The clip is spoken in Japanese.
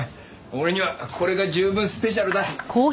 俺にはこれが十分スペシャルだ。